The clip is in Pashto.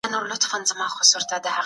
ولي ځيني هیوادونه سوداګریزه لار نه مني؟